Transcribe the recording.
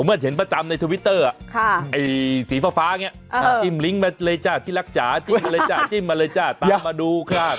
เหมือนเห็นประจำในทวิตเตอร์ไอ้สีฟ้าอย่างนี้จิ้มลิงก์มาเลยจ้ะที่รักจ๋าจิ้มเลยจ้ะจิ้มมาเลยจ้าตามมาดูค่ะ